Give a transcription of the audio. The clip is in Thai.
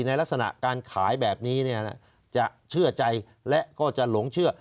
ลักษณะการขายแบบนี้จะเชื่อใจและก็จะหลงเชื่อ